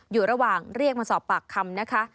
อยู่ระหว่างเรียกมาสอบปากคำนะคะ